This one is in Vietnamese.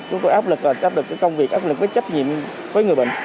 chúng tôi áp lực trách nhiệm với công việc áp lực với trách nhiệm với người bệnh